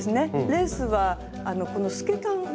レースはこの透け感ですね。